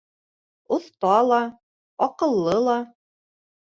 — Оҫта ла, аҡыллы ла.